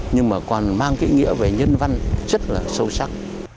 nhưng còn mang nghĩa về nhân văn rất là sâu sắc